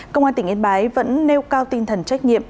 công an tỉnh yên bái vẫn nêu cao tinh thần trách nhiệm